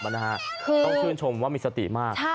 ต้องชื่นชมว่ามีสติมาก